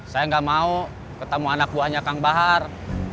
saya nggak mau ketemu anak buahnya kang bahar